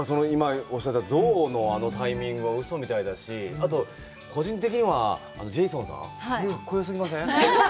ゾウのあのタイミングは、うそみたいだし、あと、個人的にはジェイソンさん、格好よすぎません？